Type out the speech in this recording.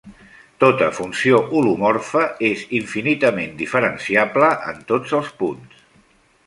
Tota funció holomorfa és infinitament diferenciable en tots els punts.